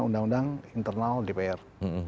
undang undang internal dpr